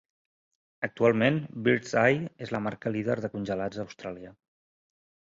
Actualment, Birds Eye és la marca líder de congelats a Austràlia.